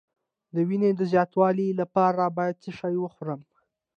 د وینې د زیاتوالي لپاره باید څه شی وخورم؟